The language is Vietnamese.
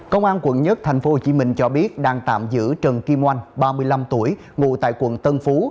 công an quận một tp hcm cho biết đang tạm giữ trần kim oanh ba mươi năm tuổi ngụ tại quận tân phú